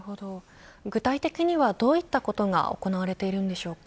具体的にはどういったことが行われているんでしょうか。